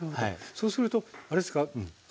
そうするとあれですか？